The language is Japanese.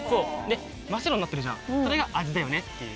真っ白になってるじゃんそれが味だよねっていう。